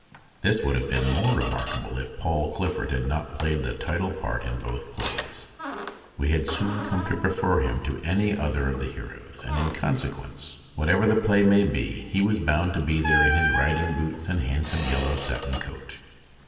This would have been more remarkable if Paul Clifford had not played the title part in both plays. We had soon come to prefer him to any other of the heroes, and in con sequence, whatever the play might be, he was bound to be there in his riding boots and handsome yellow satin coat.